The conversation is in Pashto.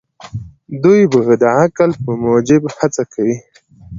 دوی به د عقل په موجب هڅه کوي.